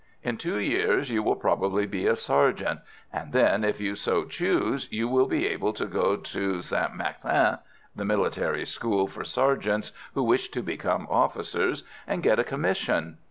In two years you will probably be a sergeant; and then, if you so choose, you will be able to go to St Maixent (the military school for sergeants who wish to become officers), and get a commission.